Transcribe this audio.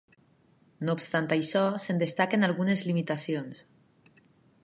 No obstant això, se'n destaquen algunes limitacions.